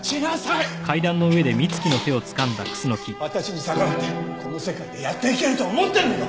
私に逆らってこの世界でやっていけると思ってるのか！？